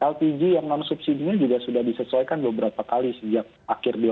lpg yang non subsidinya juga sudah disesuaikan beberapa kali sejak akhir dua ribu delapan belas